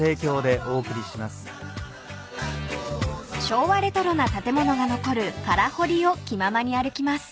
［昭和レトロな建物が残る空堀を気ままに歩きます］